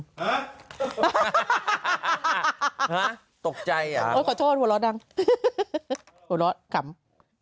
ฮะฮะตกใจอ่ะโอ้ยขอโทษหัวเราะดังหัวเราะขำ